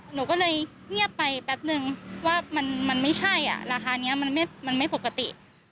หนูก็เลยเงียบไปแป๊บนึงว่ามันไม่ใช่ราคานี้มันไม่ปกติ